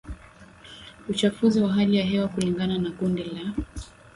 uchafuzi wa hali ya hewa kulingana na kundi la